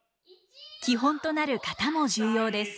基本となる型も重要です。